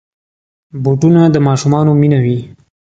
بوټونه د ماشومانو مینه وي.